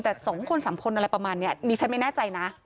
แต่สองคนสามคนอะไรประมาณนี้นี่ฉันไม่แน่ใจนะ